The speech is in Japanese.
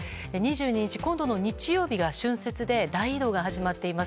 ２２日、今度の日曜日が春節で大移動が始まっています。